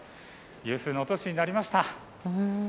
有数の都市になりました。